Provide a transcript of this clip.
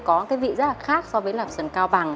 có cái vị rất là khác so với lạp sườn cao bằng